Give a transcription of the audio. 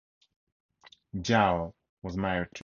Jiao was married three times.